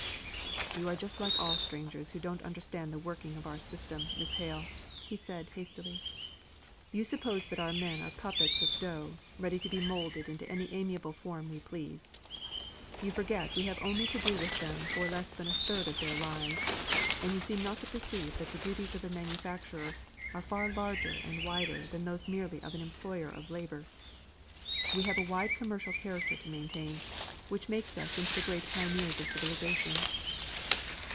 "You are just like all strangers who don't understand the working of our system, Miss Hale," said he, hastily. "You suppose that our men are puppets of dough, ready to be moulded into any amiable form we please. You forget we have only to do with them for less than a third of their lives; and you seem not to perceive that the duties of a manufacturer are far larger and wider than those merely of an employer of labour: we have a wide commercial character to maintain, which makes us into the great pioneers of civilisation."